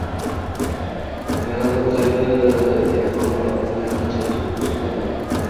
Miranda o‘z aybiga iqror bo‘ladi va keyinchalik sudlanadi.